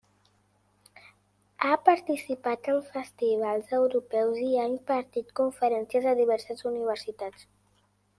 Ha participat en festivals europeus i ha impartit conferències a diverses universitats.